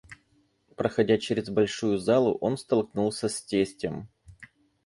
Проходя через большую залу, он столкнулся с тестем.